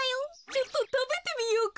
ちょっとたべてみようか。